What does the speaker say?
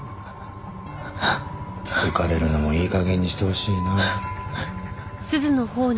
浮かれるのもいい加減にしてほしいな。